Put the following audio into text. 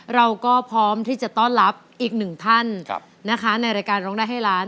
เราก็พร้อมที่จะต้อนรับอีกหนึ่งท่านนะคะในรายการร้องได้ให้ล้าน